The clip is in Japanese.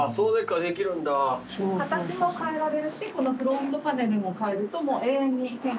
形も変えられるしこのフロントパネルも変えるともう永遠に変化が楽しめる。